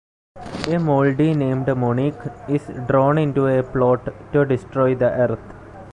A moldie named Monique is drawn into a plot to destroy the Earth.